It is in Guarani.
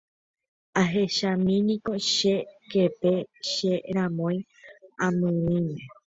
Ahechamíniko che képe che ramói amyrỹime.